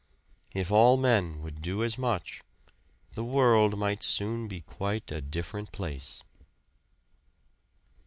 If all men would do as much, the world might soon be quite a different place.